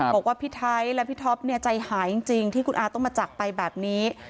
บอกว่าพี่ไทยและพี่ท็อปใจหายจริงที่คุณอาต้องมาจากไปแบบนี้